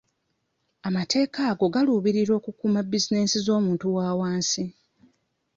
Amateeka ago galuubirira okukuuma bizinensi z'omuntu wa wansi.